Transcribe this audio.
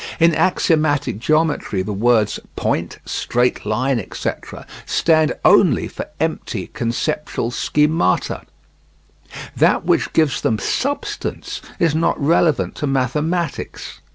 In axiomatic geometry the words "point," "straight line," etc., stand only for empty conceptual schemata. That which gives them substance is not relevant to mathematics.